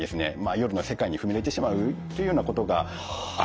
夜の世界に踏み入れてしまうっていうようなことがあるんですね。